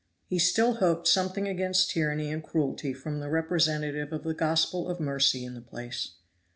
He still hoped something against tyranny and cruelty from the representative of the gospel of mercy in the place.